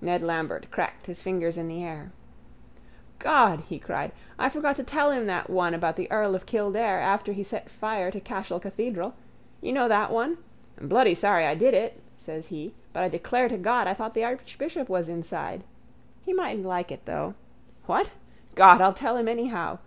Ned Lambert cracked his fingers in the air. —God! he cried. I forgot to tell him that one about the earl of Kildare after he set fire to Cashel cathedral. You know that one? I'm bloody sorry I did it, says he, but I declare to God I thought the archbishop was inside. He mightn't like it, though. What? God, I'll tell him anyhow.